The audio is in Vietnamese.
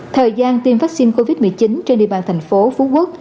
thời gian tiêm vaccine covid một mươi chín trên địa bàn thành phố phú quốc